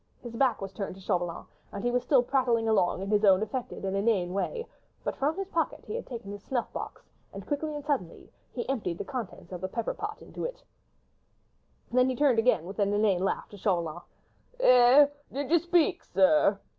His back was turned to Chauvelin and he was still prattling along in his own affected and inane way, but from his pocket he had taken his snuff box, and quickly and suddenly he emptied the contents of the pepper pot into it. Then he again turned with an inane laugh to Chauvelin,— "Eh? Did you speak, sir?"